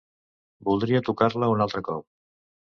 Voldria tocar-la un altre cop